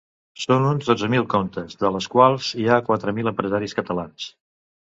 Són uns dotze mil comptes de les quals hi ha quatre mil empresaris catalans.